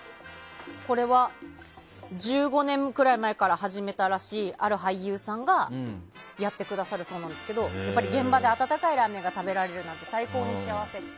これは１５年くらい前から始めたらしいある俳優さんがやってくださるそうなんですけど現場で温かいラーメンが食べられるなんて最高に幸せって。